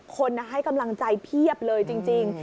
คนให้กำลังใจเพียบเลยจริง